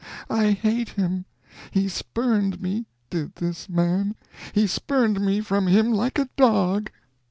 I hate him! He spurned me did this man he spurned me from him like a dog!"